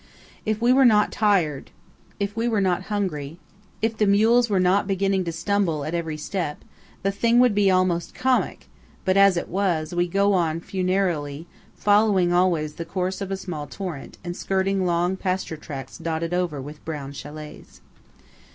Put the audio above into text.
If we were not tired, if we were not hungry, if the mules were not beginning to stumble at every step, the thing would be almost comic but as it is, we go on funereally, following always the course of a small torrent, and skirting long pasture tracts dotted over with brown châlets.